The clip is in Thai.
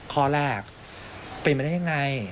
ข้อแรกเป็นไปได้ยังไง